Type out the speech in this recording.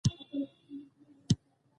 بله ورځ سپي د ایس میکس څیړنیز کوچ وخوړ